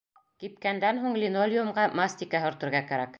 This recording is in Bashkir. Кипкәндән һуң линолеумға мастика һөртөргә кәрәк.